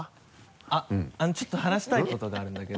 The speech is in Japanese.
あっちょっと話したいことがあるんだけどさ。